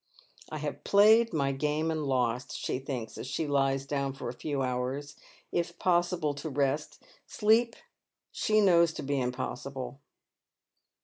" I have played my game and lost!" she thinks, as she lies 4own for a few hours, if possible to rest, sleep she knows to be impossible.